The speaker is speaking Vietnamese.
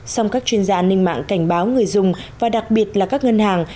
song các chuyên gia an ninh mạng cảnh báo người dùng và đặc biệt là các ngân hàng